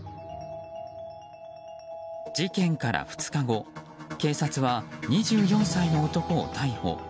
事件から２日後警察は２４歳の男を逮捕。